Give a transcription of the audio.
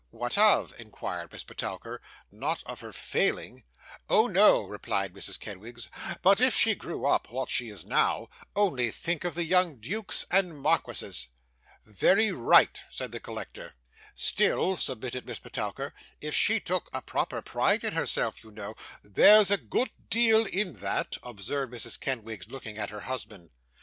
'What of?' inquired Miss Petowker, 'not of her failing?' 'Oh no,' replied Mrs. Kenwigs, 'but if she grew up what she is now, only think of the young dukes and marquises.' 'Very right,' said the collector. 'Still,' submitted Miss Petowker, 'if she took a proper pride in herself, you know ' 'There's a good deal in that,' observed Mrs. Kenwigs, looking at her husband.